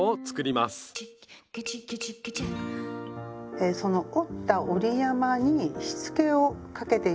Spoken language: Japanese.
えその折った折り山にしつけをかけてゆきます。